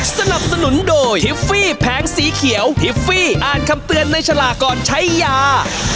สนับสนุนโดยทิฟฟี่แผงสีเขียวทิฟฟี่อ่านคำเตือนในฉลากก่อนใช้ยา